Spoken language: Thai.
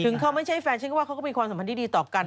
เขาไม่ใช่แฟนฉันก็ว่าเขาก็มีความสัมพันธ์ที่ดีต่อกัน